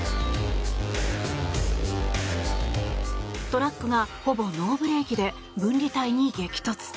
トラックが、ほぼノーブレーキで分離帯に激突。